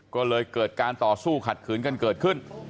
ก็เลยเกิดการต่อสู้ขัดขืนกันเกิดขึ้น